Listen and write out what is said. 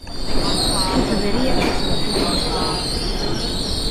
Sucederíalle o seu fillo Enrique.